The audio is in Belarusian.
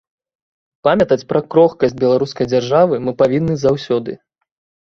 Памятаць пра крохкасць беларускай дзяржавы мы павінны заўсёды.